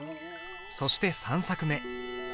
そして３作目。